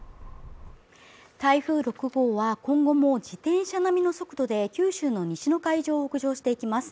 台風６号は今後も自転車並みの速度で九州の西の海上を北上していきます